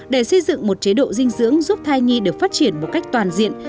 để xây dựng một chế độ dinh dưỡng giúp thai nhi được phát triển một cách toàn diện